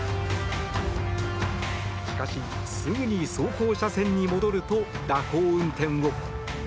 しかし、すぐに走行車線に戻ると蛇行運転を。